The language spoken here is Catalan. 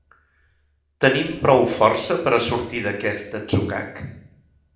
Tenim prou força per a sortir d’aquest atzucac?